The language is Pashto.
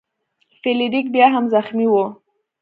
فلیریک بیا هم زخمی و.